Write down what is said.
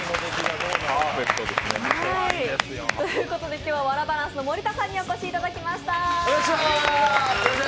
今日はワラバランスの盛田さんにお越しいただきました。